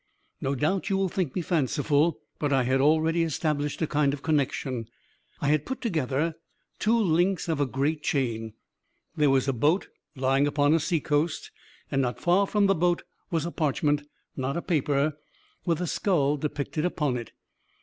"No doubt you will think me fanciful but I had already established a kind of connection. I had put together two links of a great chain. There was a boat lying upon a seacoast, and not far from the boat was a parchment not a paper with a skull depicted upon it.